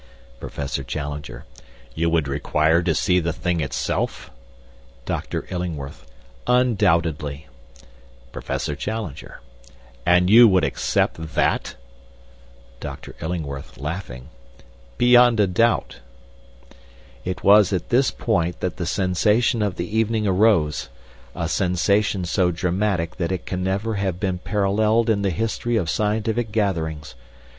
"PROFESSOR CHALLENGER: 'You would require to see the thing itself?' "DR. ILLINGWORTH: 'Undoubtedly.' "PROFESSOR CHALLENGER: 'And you would accept that?' "DR. ILLINGWORTH: 'Beyond a doubt.' "It was at this point that the sensation of the evening arose a sensation so dramatic that it can never have been paralleled in the history of scientific gatherings.